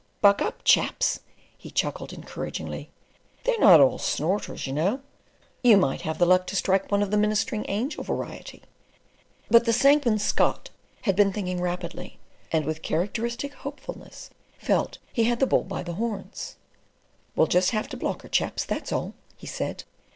"Buck up, chaps!" he chuckled encouraging! "They're not all snorters, you know. You might have the luck to strike one of the 'ministering angel variety.'" But the Sanguine Scot had been thinking rapidly, and with characteristic hopefulness, felt he had the bull by the horns. "We'll just have to block her, chaps; that's all," he said.